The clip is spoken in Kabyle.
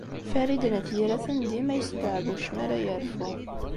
Farid n At Yiraten, dima yesbeɛbuɛ mi ara yerfu.